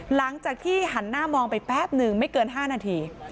หลังจากที่หันหน้ามองไปแป๊บนึงไม่เกิน๕นาที